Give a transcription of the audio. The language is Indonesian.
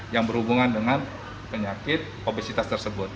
yang berhubungan dengan penyakit obesitas tersebut